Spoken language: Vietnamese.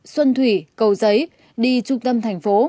xuân thủy cầu giấy đi trung tâm thành phố